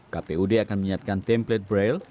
kpud akan menyiapkan template braille